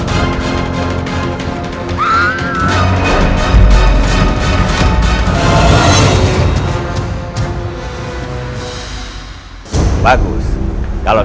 aku lagi biguk sekarang